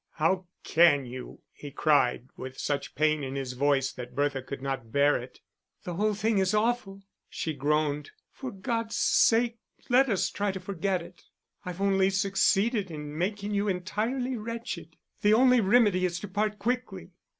"How can you!" he cried, with such pain in his voice that Bertha could not bear it. "The whole thing is awful," she groaned. "For God's sake let us try to forget it. I've only succeeded in making you entirely wretched. The only remedy is to part quickly."